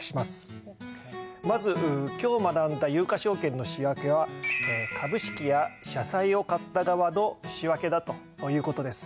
まず今日学んだ有価証券の仕訳は株式や社債を買った側の仕訳だという事です。